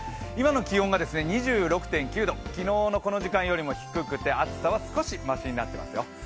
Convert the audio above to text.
気温が２６．９度、湿度が７５％昨日のこの時間よりも低くて暑さは少しましになってますよ。